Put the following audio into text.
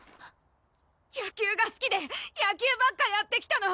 野球がすきで野球ばっかやってきたの！